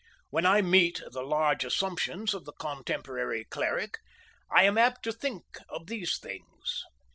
When I meet the large assumptions of the contemporary cleric, I am apt to think of these things.